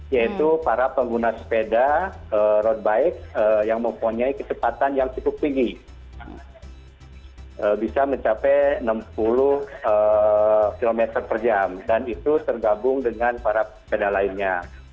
yaitu para pengguna sepeda road bike yang mempunyai kecepatan yang cukup tinggi bisa mencapai enam puluh km per jam dan itu tergabung dengan para sepeda lainnya